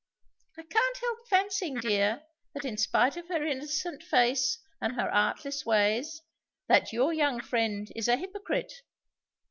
"I can't help fancying, dear, in spite of her innocent face and her artless ways, that your young friend is a hypocrite."